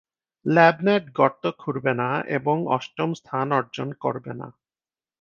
ল্যাবনেট গর্ত খুঁড়বে না এবং অষ্টম স্থান অর্জন করবে না।